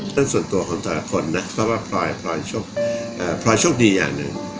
เป็นส่วนตัวของแต่ละคนนะเพราะว่าพลอยพลอยพลอยโชคดีอย่างหนึ่ง